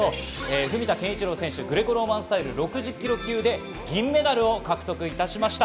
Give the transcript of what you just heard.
文田健一郎選手、グレコローマンスタイル６０ｋｇ級で銀メダルを獲得しました。